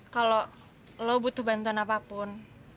kalau lo butuh bantuan apapun